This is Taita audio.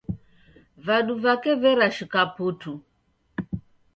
Vadu vake verashuka putu.